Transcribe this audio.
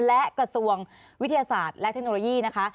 และกระทรวงวิทยาศาสตร์และเทคโนโลยีนะคะ